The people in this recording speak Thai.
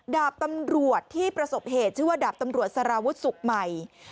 ดาบตำรวจที่ประสบเหตุชื่อว่าดาบตำรวจสารวุฒิสุขใหม่